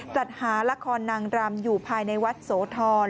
จัดหาละครนางรำอยู่ภายในวัดโสธร